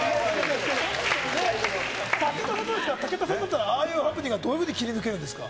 武田さんだったら、ああいうハプニングはどうやって切り抜けるんですか？